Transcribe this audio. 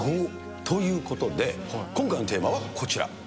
ということで、今回のテーマはこちら。